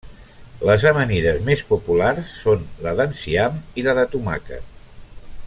Les amanides més populars són la d'enciam i la de tomàquet.